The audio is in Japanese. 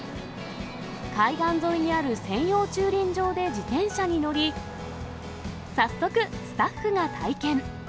海岸沿いにある専用駐輪場で自転車に乗り、早速、スタッフが体験。